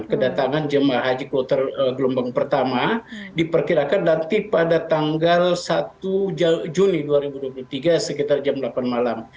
kedatangan jemaah haji kloter gelombang pertama diperkirakan nanti pada tanggal satu juli dua ribu dua puluh tiga sekitar jam delapan malam